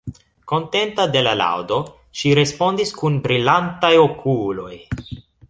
Kontenta de la laŭdo, ŝi respondis kun brilantaj okuloj: